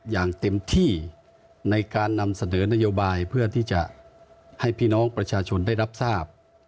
อย่างเต็มที่ในการนำเสนอนโยบายเพื่อที่จะให้พี่น้องประชาชนได้รับทราบ